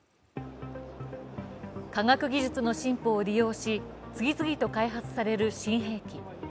科学技術の進歩を利用し、次々と開発される新兵器。